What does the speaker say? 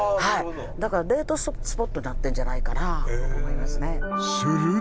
だからデートスポットになってるんじゃないかなと思いますね。